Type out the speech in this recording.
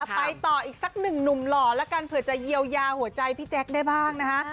ไปต่ออีกสักหนึ่งหนุ่มหล่อแล้วกันเผื่อจะเยียวยาหัวใจพี่แจ๊คได้บ้างนะคะ